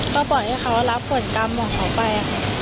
ก็บอกให้เขารับฝนกรรมของเขาไป